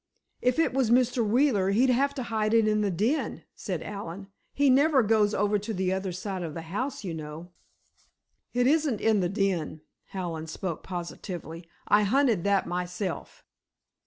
"If it was Mr. Wheeler, he'd have to hide it in the den," said Allen. "He never goes over to the other side of the house, you know." "It isn't in the den," Hallen spoke positively; "I hunted that myself."